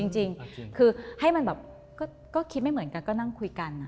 จริงคือให้มันแบบก็คิดไม่เหมือนกันก็นั่งคุยกัน